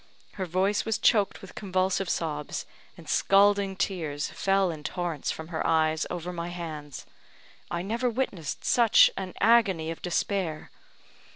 Her voice was choked with convulsive sobs, and scalding tears fell in torrents from her eyes over my hands. I never witnessed such an agony of despair.